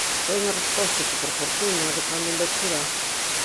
Foi unha resposta que, por fortuna, de cando en vez se dá.